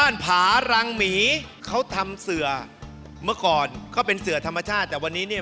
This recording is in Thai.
อันนี้ไม่ได้ทอแบบสารขัดกัน